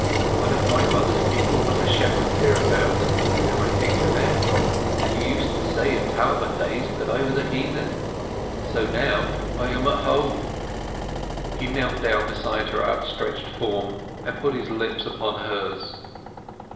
"One of my mother's people was a shepherd hereabouts, now I think of it. And you used to say at Talbothays that I was a heathen. So now I am at home." He knelt down beside her outstretched form, and put his lips upon hers.